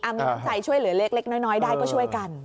มีน้ำใจช่วยเหลือเล็กน้อยได้ก็ช่วยกัน